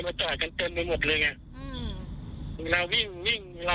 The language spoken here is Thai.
ผมก็รับผิดชอบครับ